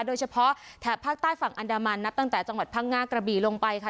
โดยเฉพาะแถบภาคใต้ฝั่งอันดามันนะตั้งแต่จังหวัดพ่างง่ากระบีลงไปค่ะ